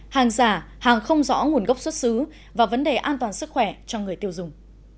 hàng giả hàng không rõ nguồn gốc xuất xứ và vấn đề an toàn sức khỏe cho người tiêu dùng